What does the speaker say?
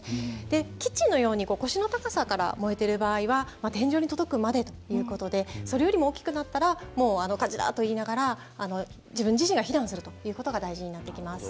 キッチンのように腰の高さから燃えている場合は天井に届くまでということでそれよりも大きくなったら火事だといいながら自分自身が避難することが大事になってきます。